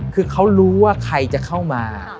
คือเขารู้ว่าใครจะเข้ามา